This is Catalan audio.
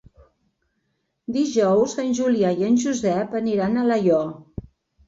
Dijous en Julià i en Josep aniran a Alaior.